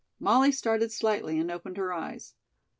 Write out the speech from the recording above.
Molly started slightly and opened her eyes.